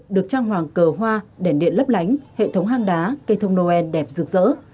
được trang hoàng cờ hoa đèn điện lấp lánh hệ thống hang đá cây thông noel đẹp rực rỡ